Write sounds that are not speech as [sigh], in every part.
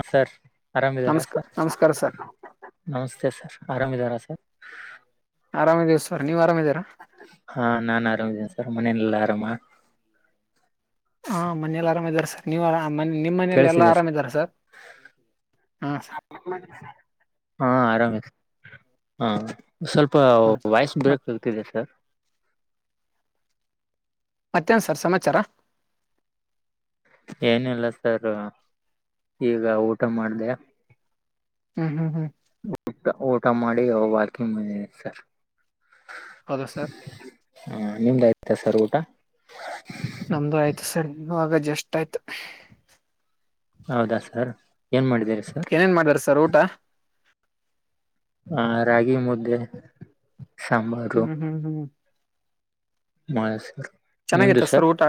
ಹ ಸರ್ ಆರಾಮಿದಾರ ನಮಸ್ಕ ಸರ್ ನಮಸ್ಕಾರ ಸರ್ ನಮಸ್ತೆ ಸರ್ ಆರಾಮಿದಾರ ಸರ್ ಆರಾಮೇ್್ವೀ ಸರ್ ನೀವ್ ಆರಾಮಿದೀರಾ ಹಾ ನಾನ್ ಆರಾಮಿದ್ದೇನೆ ಸರ್ ಮನೆನಲ್ಲಿ ಆರಾಮ ಹಾ ಮನೇಲಿ ಆರಾಮ್ ಇದ್ದಾರೆ ಸರ್ ನೀವು ಕೇಳಸಿದ್ಯಾ ಹಾ ಸರ್ ಹಾ ಆರಾಮ ಹಾ ಸ್ವಲ್ಪ ಹಾ ಸರ್. ವಯಸ್ಸ ಮತ್ ಬ್ರೇಕ್ ಇಗ್ತಿದೆ ಸರ್ ಮತ್ತೇನ್ ಸರ್ ಸಮಾಚಾರ ಏನಿಲ್ಲ ಸರ್ ಈಗ ಊಟ ಮಾಡ್ದ ಹ್ಮ್ ಹ್ಮ ಹ್ಮ್ ಊಟ ಊಟ ಮಾಡಿ ವಾಕಿಂಗ್ ಬಂದೀನಿ ಸರ್ ಹೌದಾ ಸರ್ ಹಾ ನಿಮ್ದ ಸರ್ ಊಟಾ ನಮ್ದು ಆಯ್ತು ಸರಿ ಇ ಆಗ ಜಸ್ಟ್ ಆಯ್ತು ಹೌದಾ ಸರ್ ಏನ್ ಮಾಡ ಏನೇನ್ ಮಾಡ್ಬೇರ ಸರ್ ಊಟ ಹಾ ರಾಗಿ ಮುದ್ದೆ ಸಾಂಬಾರು ಹ್ಮ ಹ್ಮ್ ಮಯ ನಿಮ್ದು ಚೆನ್ನಾಗಿತ್ತ ಸರ್ ಊಟ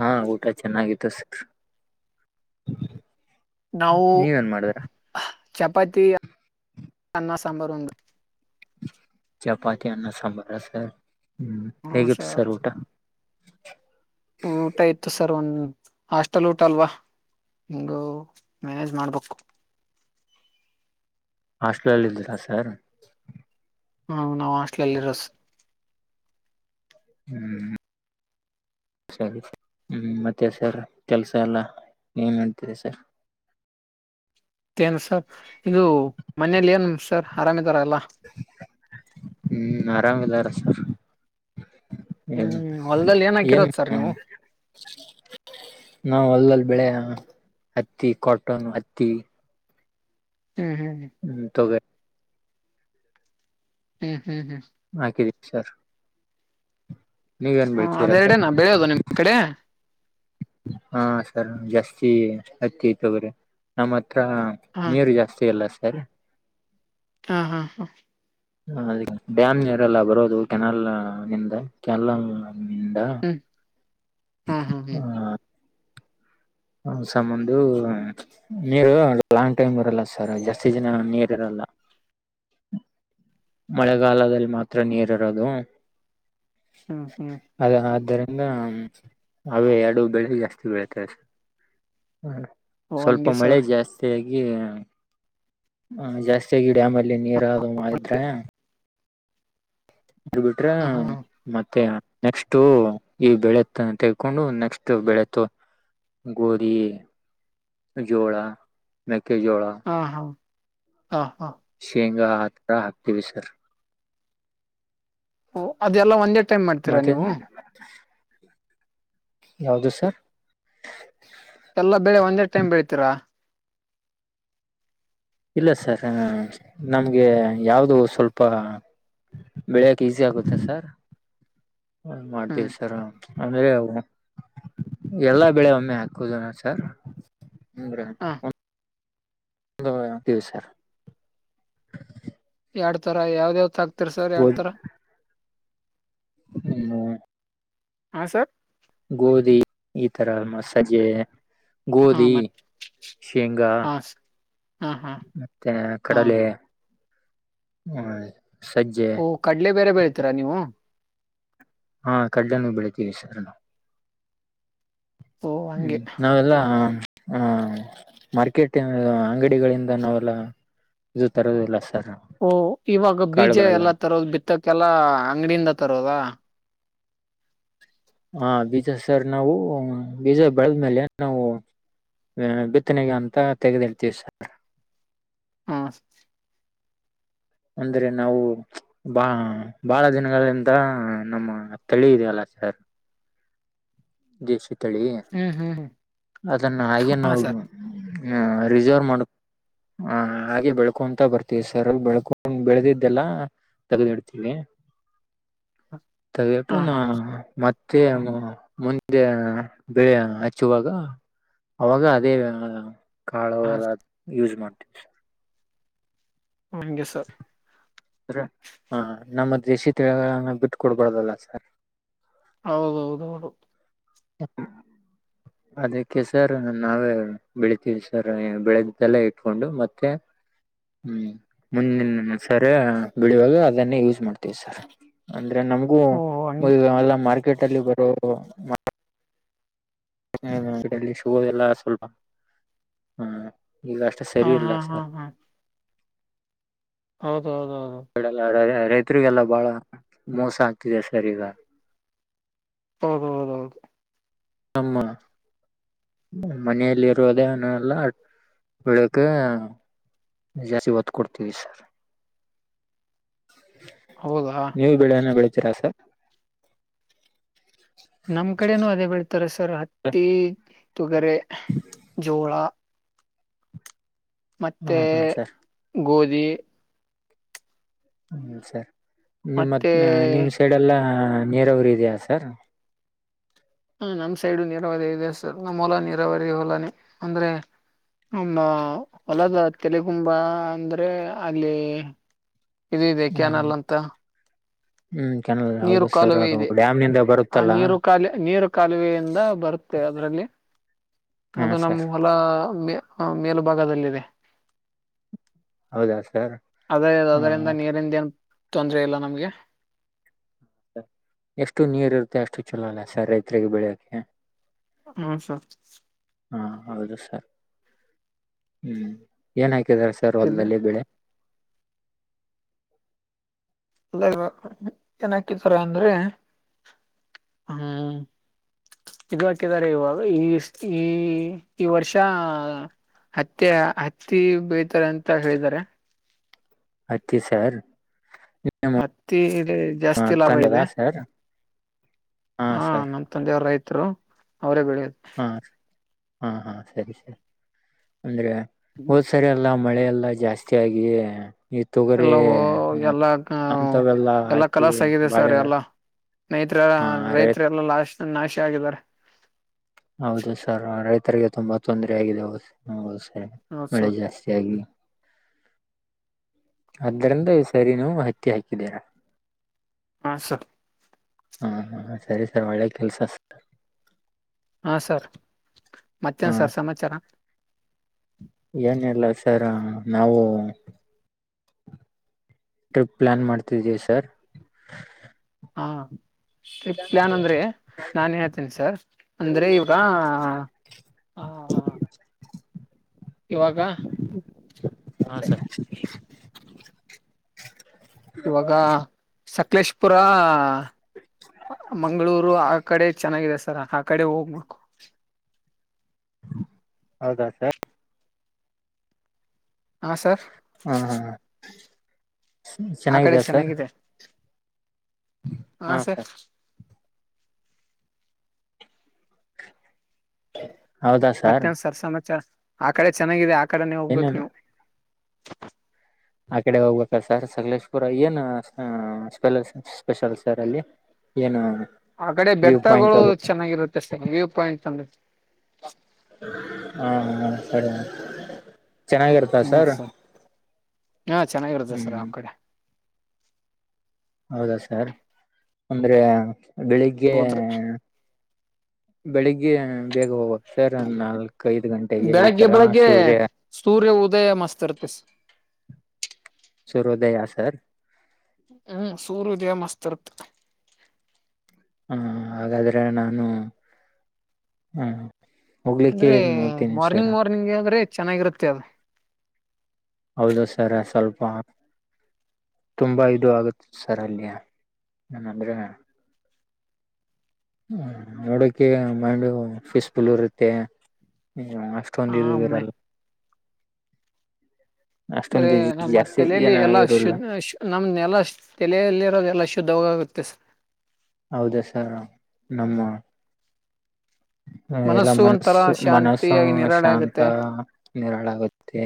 ಹಾ ಊಟ ಚೆನ್ನಾಗಿ ತಸಿಸಿ ನಾವು ಚ ಚಪಾತಿ ಅನ್ನ ಸಾಂಬಾರ್ ಉಂಡು ಚಪಾತಿ ಅನ್ನ ಸಾಂಬಾರ ಸರ್ ಹ್ಮ್ ಹ್ಮ ಹೇಗಿತ್ತು ಸರ್ ಊಟ ಊಟ ಇತು ಸರ್ ಒಂದ ಹಾಸ್ಟೆಲ್ ಊಟ ಅಲ್ವಾ ಹಂಗು ಮ್ಯಾನೇಜ್ ಮಾಡ್ಬೇಕು ಹಾಸ್ಟೆಲ್ಲ್ಲಿ ಇದ್ದೀರಾ ಸರ್ ಹಾ ನಾವು ಹಾಸ್ಟ್ಲಲ್ಲಿರೋಸ ಹ್ಮ್ ಸರಿ ಹ್ಮ್ ಮತ್ತೆ ಸರ್ ಕೆಲ್ಸ ಎಲ್ಲ ಏನ್ ಮಾಡ್ತಿದೆ ಸರ್ ೇನ್ ಸರ್ ಇದು ಮನೇೆಯಲ್ಲಿ ಏನ್ ಸರ್ ಆರಾಮ ರಲ್ಲ ಹ್ಮ್ ಆರಾಮಿಲ್ಲಾರ ಸರ್ ಹ್ಮ ಹ್ಮ್ ಹೊಲ್ದಲ್ಲಿ ಏನ್ ಹಾಕಿರೋದ್ ಸರ್ ಏನ್್ಮ ನೀವು ನಾವು ಅಲ್ಲಲ್ಲಿ ಬೆಳೆ ಹತ್ತಿ ಕಾಟನ್ ಹತ್ತಿ ಹ್ಮ್ ತಗ ಹ್ಮ್ ಹ್ಮ್ ಹ್ಮ್ ಹಾ ಕಿದ್ದೀ ಸರ್ ನೀವೇನ್ ಹ್ಮ ಬೆಳ್ತೀರಾ ಅದೆರಡ ಸರ್ ನ ಬೆಳೆಯೋದು ನಿಮ್ ಕಡೆ ಹಾ ಸರ್ ಜಾಸ್ತಿ ಹತ್ತ ತಗ್ರಿ ನಮ್ಮತ್ ಹಾ ನೀರು ಜಾಸ್ತಿ ಅಲ್ಲ ಹಾರ ಹಾ ಹಾ ಹಾ ಹ ಅದ ಡ್ಯಾಮ್ ನೀರೆಲ್ಲ ಬರೋದು ಕೆನಾಲ್ ನಿಂದ ಕೆಲ್ಲ ಹ್ಮಂಡಾ ಹ್ಮ್ ಹ್ಮ್ ಹ್ಮ್ ಹ್ಮ್ ಹಸಂದು ನೀರು ಲಾಂಗ್ ಟೈಮ್ ಇರಲ್ಲ ಸರ್ ಜಾಸ್ತಿ ಜನ ನೀರ್ ಇರಲ್ಲ ಮಳೆಗಾಲದಲ್ಲಿ ಮಾತ್ರ ನೀರ್ ಇರೋದು ಹ್ಮ್ ಹ್ಮ್ ಅದ ಆದರ ಹ ಅವೇ ಎರಡು ಬೆಳೆಗ್ ಜಾಸ್ತಿ ಬೆಳತವೆ [unintelligible] ಹ್ಮ ಓ ಸ್ವಲ್ಪ ಹಂಗೆ ಮಳೆ ಸರ್ ಜಾಸ್ತಿ ಐ ಈಗ ಜಾಸ್ತಿ ಆಗೈತ್ ಡ್ಯಾಮ್ ಅಲ್ಲಿ ನೀರ್ ಆದ್ರೂನು ಐತಾ ಬಿಡ್ಬಿಟ್ರ ಹಾ ಹಾ ಮತ್ತೆ ನೆಕ್ಸ್ಟ್ ಈ ಬೆಳೆತ್ತನ್ನ ತೆೆಗೆಕೊಂಡು ನೆಕ್ಸ್ಟ್ ಬೆಳೆತ್ತು ಗೋದಿ ಜೋಳ ಮೆಕ್ಕೆ ಕೆ ಜೋಳಾ ಹಾ ಹಾ ಹಾ ಹಾ ಈಗ ಆತರ ಹಾಕ್ತೀವಿ ಸರ್ ಓ ಅದೆಲ್ಲ ಒಂದೇ ಟೈಮ್ ಮಾಡ್ತೀರಾ ಮತ್ತೆ ನೀವು ಯಾವದು ಸರ್ ಎಲ್ಲಾ ಬೆಳೆ ಒಂದೇ ಟೈಮ್ ಬೆಳಿತೀರಾ ಇಲ್ಲ ಸರ್ ನಮಗೆ ಯಾವುದ ಸ್ವಲ್ಪ ಬೆಳೆಯಕ್ಕೆ ಈಸಿ ಆಗುತ್ತೆ ಸರ್ ಹ ಹ್ಮ್ ಮಾಡ್ತೀವಿ ಸರ್ ನಾವು ಅಂದ್ರೆ ಎಲ್ಲಾ ಬೆಳೆ ಒಮ್ಮೆ ಹಾಕುದಿನ ಸರ್ ಹ್ಮ ಗ್ರ ಹ ಎರಡು ಅಕ್ತಿವಿ ಸರ್ ಎರಡು ತರ ಯಾವಯಾವ್ದ್ ತರ ಸರ್ ಯಡ್ತಾರ ಹ್ಮ ಹಾ ಸರ್ ಗೋಧಿ ಈ ತರ ಮಸಜ್ಜೆ ಹಾ ಗೋಧಿ ಮತ್ ಶೇಂಗಾ ಹಾ ಸ ಹಾ ಹಾ ಮತ್ತೆ ಹಾ ಕಡಲೆ ಹ್ಮ ಓಹ ಕಡ್ಲೆ ಬೇರೆ ಬೆಳತೀರಾ ನೀವು ಹಾ ಕಡ್ಡನ ಬೆಳಿತೀವಿ ಸರ್ ನಾವು ಓ ಹಂಗೆ ಹ್ಮ್ ನಾವೆಲ್ಲಾ ಹ ಹ ಮಾರ್ಕೆಟ್ ಅಂಗಡಿಗಳಿಂದ ನಾವೆಲ್ಲ ಇದು ತರೋದದೆಲ್ಲ ಓಹ ಇವಾಗ ಬೀಜ ಎಲ್ಲಾ ತರೋದ ಬಿತ್ತಕ ಎಲ್ಲಾ ಅಂಗಡಿಂದ ತರೋದಾ ಹಾ ಬೀಜ ಸರ್ ನಾವು ಬೀಜ ಬೆಳೆದ್ಮೇಲೆ ನಾವು ಬಿತ್ತನೆಗೆ ಅಂತ ತೆಗೆದುಯಿಡ್ತಿವಿ ಸರ್ ಹಾ ಸರ್ ಅಂದ್ರೆ ನಾವು ಬಾ ಬಾಳ ದಿನಗಳಿಂದ ನಮ್ಮ ತಳಿ ಇದಲ್ಲಯಲ್ಲ ಸರ್ ದೇಸಿ ತಳಿ ಹ್ಮ್ ಹ್ಮ್ ಹ್ಮ್ ಅದನ್ನ ಹಾಗೆ ಹಾ ನಾವು ಸರ್ ಹ್ಮ ರಿಸರ್ವ್ ಮಾಡ ಹ ಹಾಗೆ ಬೆಳಕು ಅಂತ ಬರ್ತೀವಿ ಸರ್ ಬೆಳಕೊಂದು ಬೆಳೆದಿದ್ದೆಲ್ಲ ತಗ್ದಿಡ್ತೀವಿ ಹಾ ತೆಗೆದುಯಿಟ್ಟು ಹಾ ಮತ್ತೆ ಮತ್ತೆ ಮುಂದೆ ಬೆಳೆ ಹಚ್ಚುವಾಗ ಅವಾಗ ಅದೇ ಕಾಳು ಹಾ ಎಲ್ಲ ಯೂಸ್ ಮಾಡಿ [unintelligible] ಹಂಗೆ ಸರ್ ಹ ನಮ್ಮ ದೇಶಿ ತಿಳಿಗಳನ್ನ ಬಿಟ್ಟು ಕೊಡ್ಬಾರದಲ್ಲ ಸರ್ ಹೌದೌದ ಹೌದು ಅದಕ್ಕೆ ಸರ್ ನಾವೇ ಬೆಳಿತೀವಿ ಸರ್ ಬೆಳೆದ್ದಲ್ಲ ಇಟ್ಕೊಂಡು ಮತ್ತೆ ಹ್ಮ ಮುಂದಿನ ಸರಿ ಬೆಳುವಾಗ ಅದನ್ನೇ ಯೂಸ್ ಮಾಡ್ತೀವಿ ಸರ್ ಅಂದ್ರೆ ನಮಗೂ ಓಹ ಹಂಗ ಮದುವೆಯೆಲ್ಲಾ ಮಾಡಿ ಕ್ರಿಕೆಟ್ ಅಲ್ಲಿ ಬರೋ ಹ್ಮ್ಡಲ್ಲಿ ಶ ಎಲ್ಲಾ ಸ್ವಲ್ಪ ಹ್ಮ್ ಈಗ ಅಷ್ಟೆ ಹಾ ಸರಿ ಇಲ್ಲ ಹಾ ಸರ್ ಹೌದ ಆಡಲ್ಲ ರೈತರಿಗೆಲ್ಲ ಬಾಳ ಮೋಸ ಆಗ್ತಿದೆ ಸರ್ ಈಗ ಹೌದ ಹೌದ ಹೌದು ನಮ್ಮ ಮನೆಯಲ್ಲಿ ಇರುೋದೇಲ್ಲ ಬೆಳಕ ಜಾಸ್ತಿ ಒತ್ತು ಕೊಡ್ತೀವಿ ಸರ್ ಹೌದಾ ನೀವು ಬೆಳಾನ ಬೆಳ ಚಾಸಹ ನಮ್ ಕಡೆನೂ ಅದೇ ಬೆಳ್ತಾರೆ ಸರ್ ಹತ್ತಿ ತೊಗರೆ ಜೋಳ ಹಾ ಮತ್ತೆ ಹಾ ಸರ್ ಗೋಧಿ ಅ ಹ್ಮ್ ಸರಿ ನಿಮ್ಮತ್ ಮತ್ತೆ ನಿಮ್ ಸೈಡ್ ಎಲ್ಲಾ ಹ ನೀರಾವರಿ ಇದೆಯಾ ಸರ್ ಹ ನಮ್ ಸೈಡು ನೀರಾವರಿ ಇದೆ ಸರ್ ನಮ್ಮ್ ಹೊಲ ನೀರಾವರಿ ಹೊಲಾನೇ ಅಂದ್ರೆ ನಮ್ಮ ಹೊಲ ಕೆಲ ತುಂಬಾ ಅಂದ್ರೆ ಅಲ್ಲಿ ಇದು ಇದೆ ಹ್ಮ್ ಕ್ಯಾನಲ್ಲ ಅಂತ ಹ್ಮ್ ಕೆನಲ್ ನೀರು ಹೌದು ಸರ್ ಕಾಲುವೆ ಅದು ಇದೆ ಡ್ಯಾಮ್ ನಿಂದ ಆ ಬರುತ್ತಲ್ಲ ನೀರು ಕಾಲ ನೀರು ಕಾಲುವೆಯಿಂದ ಬರುತ್ತೆ ಅದರಲ್ಲಿ ಹಾ ಅದು ಸರ್ ನಮ ಹೊಲ ಮೇ ಹಾ ಮೇಲುಭಾಗದಲ್ಲಿದೆ ಹೌದಾ ಸರ್ ಅದೇ ಹಾ ಅದರಿಂದ ನೀರಿಂದೇನು ತೊಂದ್ರ ಇಲ್ಲ ನಮ್ಗೆ ಎಷ್ಟು ನೀರ್ ಇರುತ್ತೆ ಅಷ್ಟು ಚಲೋ ಅಲ್ಲ ಸರ್ ರೈತ್ರಿಗೆ ಬೆಳಿಯಕೆ ಹ್ಮ ಸರ್ ಹಾ ಹೌದು ಸರ್ ಹ್ಮ್ ಏನಯ್ತ ಸರ್ ಇದು ಹೊಲ್ದಲ್ಲಿ ಬೆಳೆ ಹ್ಮ್ ಇಾಗ ಏನ ಹಕಿತಾರ ಅಂದ್ರೆ ಹ್ಮ್ ಇದು ಹಾಕಿದ್ದಾರೆ ಇವಾಗ ಈ ಈ ಈ ವರ್ಷ ಹತ್ತಿ ಹತ್ತಿ ಬಳೆ ತಾರೆ ಅಂತ ಹೇಳಿದಾರೆ ಹತ್ತಿ ಸರ್ ನಿಮ್ಮ ಹತ್ತಿ ಜಾಸ್ತಿ ಲಾಭ ತಂದದ ಇದೆ ಸರ್ ಹಾ ಹ ಸರ್ ನಮ ತಂದೆಯವರು ರೈತರು ಅವರೇ ಬೆಳೆಯುತ್ತೆ ಹಾ ಹಾ ಹಾ ಸರಿ ಸರಿ ಅಂದ್ರೆ ಹೋದ್ ಸರಿ ಅಲ್ಲ ಮಳೆಲ್ಲ ಜಾಸ್ತಿ ಆಗೇ. ಈ ತೊಗರಿ ಎಲ್ಲ ಎಲ್ಲಾ ಅಂತವೆಲ್ಲಾ ಹಾಕಿ ಬಾಳೆ. ರೈತ್ರ ಆ ರೈತ ರೈತರೆ ಎಲ್ಲ ಲಾಶ ನಾಶ. ಆಗಿದ್ದಾರೆ. ಹೌದು ಸರ್ ರೈತರಿಗೆ ತುಂಬಾ ತೊಂದರೆ ಆಗಿದೆ ಹ. ಹ ಮಳೆ ಸರ್ ಜಾಸ್ತಿ ಆಗಲಿ. ಆದ್ದರಿಂದ ಈ ಸರಿನೂವು ಮಾಹಿತ್ಯ ಹಾಕಿದ್ದೀರಾ. ಹಾ ಸ. ಹ್ಮ ಹಾ ಸರಿ ಸರ್ ಒಳ್ಳೆ ಕೆಲ್ಸರ್. ಹಾ ಸರ್. ಮತ್ತ್ಯಾನ್ ಸರ್ ಸಮಾಚಾರ. ಏನಿಲ್ಲ ಸರ್ ನಾವು. ಟ್ರಿಪ್ ಪ್ಲಾನ್ ಮಾಡ್ತಿದವಿ ಸರ್. ಹಾ. ಟ್ರಿಪ್ ಪ್ಲಯಾನ್ ಅಂದ್ರೆ ನಾನನ್ ಏನ್ ಹೇಳ್ತೀನಿ ಸರ್. ಅಂದ್ರೆ ಇವಾಗ ಆ ಹ. ಇವಾಗ ಹಾ ಸರ್. ಇವಾಗ ಸಕಲೇಶಪುರ ಮಂಗಳೂರು ಆ ಕಡೆ ಚೆನ್ನಾಗಿದೆ. ಸರ ಆ ಕಡೆ ಹೋಗ್ಬೇಕು. ಹೌದಾ ಸರ್. ಹಾ ಸರ್. ಚೆನ್ನಾಗಿದಾ ಸರ್. ಹ ಹಾ ಸ. ಸರ್ ಹ. ಮತ್ತೆ ಒಂದ ಸರ್ ಸಮಾಚಾರ. ಆ ಕಡೆ ಚೆನ್ನಾಗಿದೆ ಆ. ಕಡೆನೆೇ ಹೋಗ್ಬೇಕು ಏನಿಲ್ಲ ನೀವು. ಆ ಕಡೆ ಹೋಗ್ಬೇಕ ಸರ್ ಸಕಲೇಶ್ಪುರ ಏನು ಸ್ಪ ಸ್ಪೆಷಲ್ ಸರ್ ಅಲ್ಲಿ ಏನು. ಆ ಕಡೆ ವ್ಯೂ ಪಾಯಿಂಟ್ ಬೆಟ್ಟಗಳು ಅದು ಚೆನ್ನಾಗಿರುತ್ತೆ ಅಷ್ಟೇ ವ್ಯೂ ಪಾಯಿಂಟ್ ಅಂದೆ. ಹ. ಹಾ ಸರಿ. ಹ್ಮ್ ಸರ್ ಹಾ ಚೆನ್ನಾಗಿರುತ್ತೆ ಸರ್ ಹ್ಮ್ ಅವ ಕಡೆ. ಹೌದಾ ಸರ್ ಅಂದ್ರೆ. ಬೆಳಿಗ್ಗೆ. ಹೋದ್ರಿ ಬೆಳಿಗ್ಗೆ ಬೇಗ ಹೋಗುವ ಸರ್ ನಾಲ್ಕು ಬೆಳಗ್ಗೆ ಬೆಳಿಗ್ಗೆ ಸೂರ್ಯ ಉದಯ ಮಸ್ತ್ ಇರ್ತ್ತ ಸೂರ್ಯೋದಯ ಸರ್ ಹ್ಮ್ ಸೂರ್ಯೋದಯ ಮಸ್ತ್ರ್ತ್ ಹ್ಮ ಹಾಗಾದ್ರೆ ನಾನು ಹ್ಮ ಹೋಗ್ಲಿಕ್ಕೆ ಅಂದ್ರೆ ನೋಡ್ತೀನಿ ಸರ್ ಮಾರ್ನಿಂಗ್ ಮಾರ್ನಿಂಗ್ ಅಂದ್ರೆ ಚೆನ್ನಾಗಿರುತ್ತೆ ಅದು ಹೌದು ಸರ್ ಸ್ವಲ್ಪ ತುಂಬಾ ಇದು ಆಗುತ್ತ ಸರ್ ಅಲ್ಲಿ ಏನಂದ್ರೆ ಹ್ಮ ನೋಡೋಕೆ ಮೈಂಡ ಪೀಸ್ಫುಲ್ ಇರುತ್ತೆ ಹ ಆಮ್ಮೆ ಅಷ್ಟೊಂದರಲ್ಲ ಅಂದ್ರೆ ಅಷ್ಟೊಂದು ನಮ್ಮ ಜಾಸ್ತಿ ತಲೆಯಲ್ಲಿ ಜನ ಎಲ್ಲಾ ಇರಲ್ಲ ಶುದ ನಮ್ ಎಲ್ಲ ತಲೆಯಲ್ಲಿರೋದು ಎಲ್ಲಾ ಶುದ್ಧ ಹೋಗಾಗುತ್ತೆ ವತ್ತಿಸ ಹೌದಾ ಸರ್ ನಮ್ಮ ಎಲ್ಲ ಒಂಥರ ಮನಸ್ಸು ಮನಸ್ಸು ಶಾಂತಿಯಾಗಿ ನಿರಾಳೆ ಶಾಂತ ಆಗುತ್ತೆ ನಿರಾಳಾಗುತ್ತೆ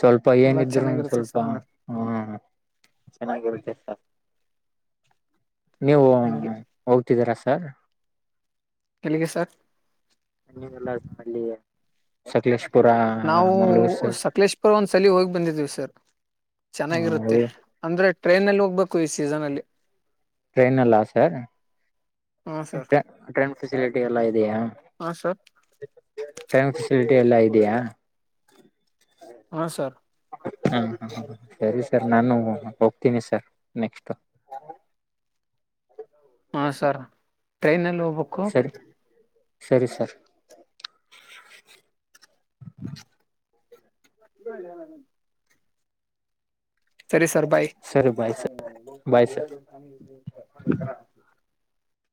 ಸ್ವಲ್ಪ ಎಲ್ಲಾ ಏನಿದ್ರು ಚೆನ್ನಾಗಿರುತ್ತೆ ಸ್ವಲ್ಪ ಸರ್ ನೋಡಕ್ ಹ ಚೆನ್ನಾಗಿರ್ತೆೇ ಸರ್ ನೀವು ಹಂಗೆ ಹೋಗ್ತಿದ್ದೀರ ಸಾರ ಕೆಲ್ಲಿಗೆ ಸರ್ ಲ್ಲ ಅಲ್ಲಿ ಸಲ ನಾವು ಸಕಲೇಶ್ಪುರ ಒಂದ್ ಸಲ ಹೋಗಿ ಬಂದಿದ್ದೀವಿ ಸರ್ ಚೆನ್ನಾಗಿರುತ್ತೆ ಅಂದ್ರೆ ಟ್ರೈನ್ಲ್ಲಿ ಹೋಗ್ಬೇಕು ಈ ಸೀಸನ್ ಅಲ್ಲಿ ಟ್ರೈನ್ ಎಲ್ಲಾ ಸರ್ ಹಾ ಸರ್ ಟ್ರೈನ್ ಫೆಸಿಲಿಟಿ ಎಲ್ಲ ಇದೆಯಾ ಹಾ ಸರ್ ಟೈಮ್ ಫೆಸಿಲಿಟಿ ಎಲ್ಲ ಇದೆಯಾ ಹಾ ಸರ್ ಹಾ ಹ ಸರಿ ಸರ್ ನಾನು ಹೋಗ್ತೀನಿ ಸರ್ ನೆಕ್ಸ್ಟ್ ಹಾ ಸರ್ ಟ್ರೈನ್ಲ್ಲಿ ಹೋಗ್ಬೇಕು ಸರಿ ಸರಿ ಸರ್ ಹಲ್ಲ ಸರಿ ಸ ಬಾಯ ಸರಿ ಬಾಯ್ ಸರ್ ಬಾಯ್ ಸರ್